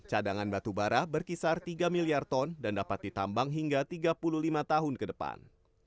cadangan batu bara berkisar tiga miliar ton dan dapat ditambang hingga tiga puluh lima tahun ke depan